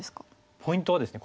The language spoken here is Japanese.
ポイントはですね